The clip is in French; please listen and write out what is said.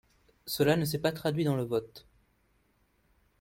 Cela ne s’est pas traduit dans le vote.